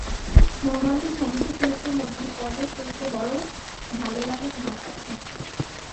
মহাভারতের সমস্ত চরিত্রের মধ্যে কর্ণের চরিত্র বড় ভালো লাগে তাহার কাছে।